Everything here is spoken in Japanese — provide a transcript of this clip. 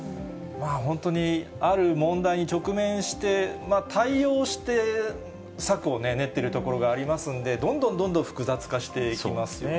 本当にある問題に直面して、対応して策を練っているところがありますので、どんどんどんどん複雑化していきますよね。